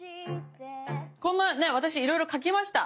こんなね私いろいろ書きました。